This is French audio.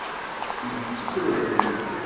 Une Chikolodenn.